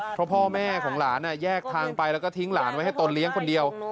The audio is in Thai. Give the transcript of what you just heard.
เพราะพ่อแม่ของหลานแยกทางไปแล้วก็ทิ้งหลานไว้ให้ตนเลี้ยงคนเดียว